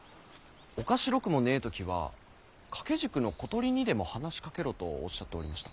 「おかしろくもねぇ時は掛け軸の小鳥にでも話しかけろ」とおっしゃっておりました。